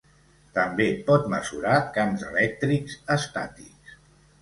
També pot mesurar camps elèctrics estàtics.